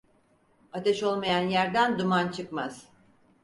Ateş olmayan yerden duman çıkmaz.